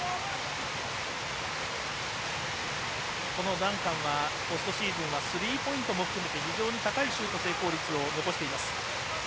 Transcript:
ダンカンはポストシーズンはスリーポイントも含めて非常に高いシュート成功率を残しています。